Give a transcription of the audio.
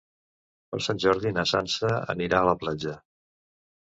Per Sant Jordi na Sança anirà a la platja.